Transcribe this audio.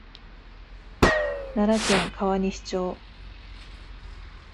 奈良県川西町